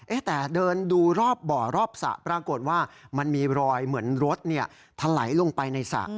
แต่เดินดูรอบบ่อรอบสระปรากฏว่ามันมีรอยเหมือนรถถลายลงไปในสระ